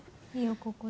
ここで。